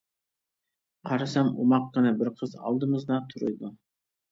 قارىسام ئوماققىنە بىر قىز ئالدىمىزدا تۇرىدۇ.